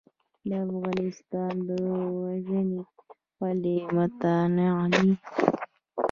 د افغانستان ژوي ولې متنوع دي؟